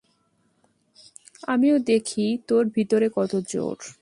আমিও দেখি তোর ভিতরে কত জোর।